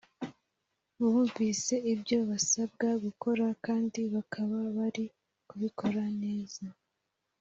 bumvise ibyo basabwa gukora kandi bakaba bari kubikora neza